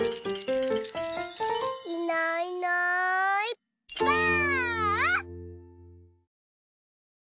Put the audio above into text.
いないいないばあっ！